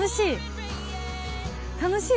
楽しい。